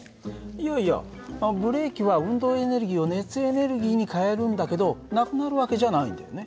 いやいやブレーキは運動エネルギーを熱エネルギーに変えるんだけどなくなる訳じゃないんだよね。